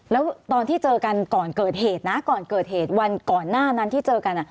แล้วตอนที่เจอกันก่อนเกิดเหตุนะก่อนเกิดเหตุวันก่อนหน้านั้นที่เจอกัน